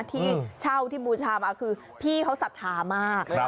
ที่เช่าที่บูชามาคือพี่เขาศรัทธามาก